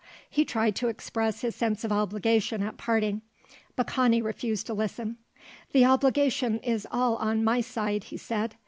He tried to express his sense of obligation at parting. Baccani refused to listen. "The obligation is all on my side," he said.